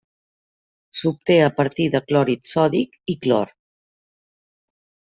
S'obté a partir de clorit sòdic i clor.